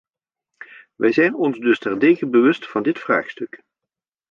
Wij zijn ons dus terdege bewust van dit vraagstuk.